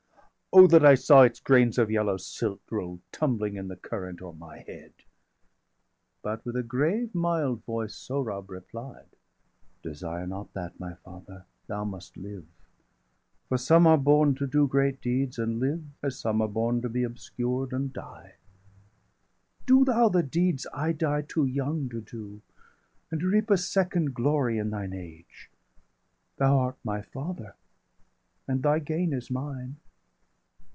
Oh, that I saw its grains of yellow silt Roll tumbling in the current o'er my head!" 770 But, with a grave mild voice, Sohrab replied: "Desire not that, my father! thou must live. For some are born to do great deeds, and live, As some are born to be obscured, and die. Do thou the deeds I die too young to do, 775 And reap a second glory in thine age; Thou art my father, and thy gain is mine.